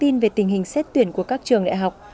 thông tin về tình hình xét tuyển của các trường đại học